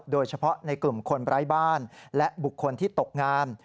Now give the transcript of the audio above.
โดยเฉพาะในกลุ่มคนไร้บ้านและบุคคลที่ตกงาน